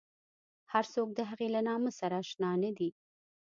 هر څوک د هغې له نامه سره اشنا نه دي.